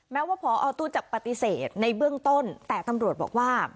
แม้ว่าพอตู้จะปฏิเสธในเบื้องต้นแต่ตำรวจบอกว่า